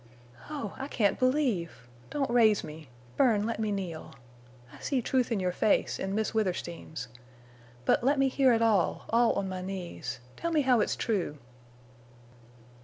"Oh, I can't believe—Don't raise me! Bern, let me kneel. I see truth in your face—in Miss Withersteen's. But let me hear it all—all on my knees. Tell me how it's true!"